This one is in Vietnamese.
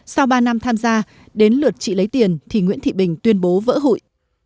sau ba năm tham gia đến lượt chị lấy tiền thì nguyễn thị bình tuyên bố vỡ hụi